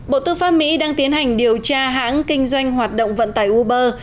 bộ tư pháp mỹ đang tiến hành điều tra hãng kinh doanh hoạt động vận tải uber